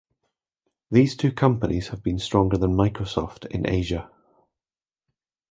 These two companies have been stronger than Microsoft in Asia.